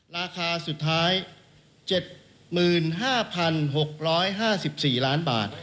ราคาสุดท้าย๗๕๖๕๔ล้านบาท